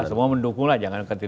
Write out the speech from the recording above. semua mendukunglah jangan kemana mana